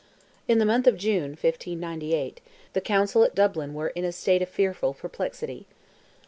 In the month of June, 1598, the Council at Dublin were in a state of fearful perplexity.